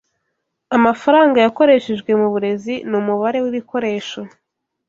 Amafaranga yakoreshejwe mu burezi ni umubare wibikoresho